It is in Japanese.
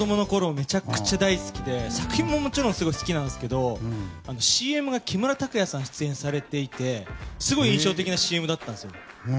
めちゃくちゃ大好きで作品もすごく好きですけどＣＭが木村拓哉さんが出演されていてすごい印象的なＣＭだったんですよ。